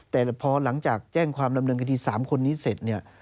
แต่พอหลังจากแจ้งความดำเนินคดี๓คนนี้เสร็จเนี่ย